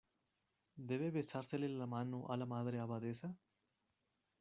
¿ debe besársele la mano a la Madre Abadesa?